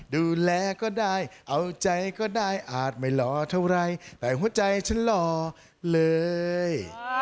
ดูแลก็ได้เอาใจก็ได้อาจไม่หล่อเท่าไรแต่หัวใจฉันหล่อเลย